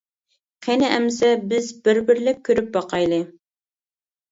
قېنى ئەمىسە، بىز بىر-بىرلەپ كۆرۈپ باقايلى!